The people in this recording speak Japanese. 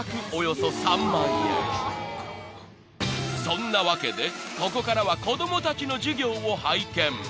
［そんなわけでここからは子供たちの授業を拝見］